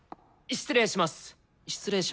失礼します。